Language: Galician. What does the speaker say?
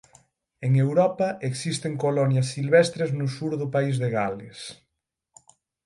En Europa existen colonias silvestres no sur de País de Gales.